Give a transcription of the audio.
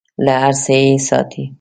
له هر څه یې ساتي .